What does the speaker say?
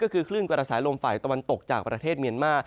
คือคลื่นกลรศร้ายโลมฝ่ายตะวันตกจากประเทศเมียร์มา